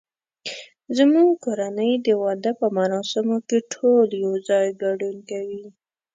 زمونږ کورنۍ د واده په مراسمو کې ټول یو ځای ګډون کوي